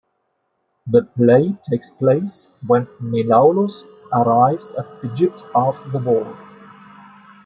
The play takes place when Menelaus arrives at Egypt after the war.